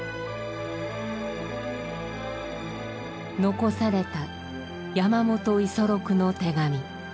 遺された山本五十六の手紙。